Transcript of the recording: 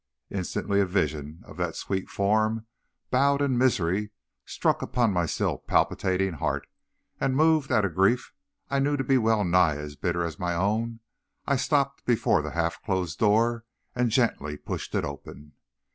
Instantly a vision of that sweet form bowed in misery struck upon my still palpitating heart; and moved at a grief I knew to be well nigh as bitter as my own, I stopped before the half closed door, and gently pushed it open.